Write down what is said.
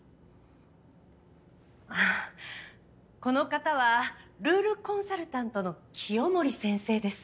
この方はルールコンサルタントの清守先生です。